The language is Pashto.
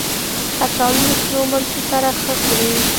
کچالو له شنو مرچو سره ښه خوري